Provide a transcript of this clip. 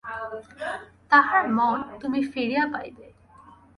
তাহার মন তুমি ফিরিয়া পাইবে।